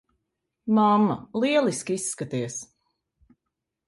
Mamma, lieliski izskaties.